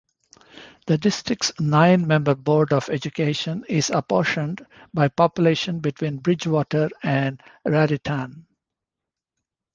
The district's nine-member Board of Education is apportioned by population between Bridgewater and Raritan.